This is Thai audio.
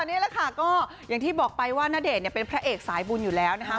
นี่แหละค่ะก็อย่างที่บอกไปว่าณเดชน์เนี่ยเป็นพระเอกสายบุญอยู่แล้วนะคะ